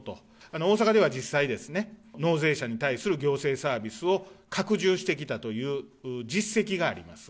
大阪では実際ですね、納税者に対する行政サービスを拡充してきたという実績があります。